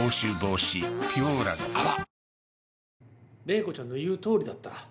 麗子ちゃんの言うとおりだった。